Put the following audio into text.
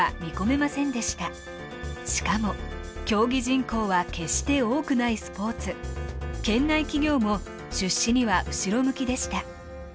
しかも競技人口は決して多くないスポーツ県内企業も出資には後ろ向きでした。